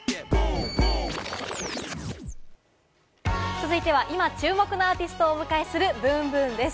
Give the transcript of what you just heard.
続いては今注目のアーティストをお迎えするｂｏｏｍｂｏｏｍです。